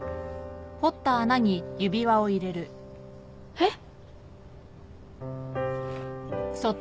えっ？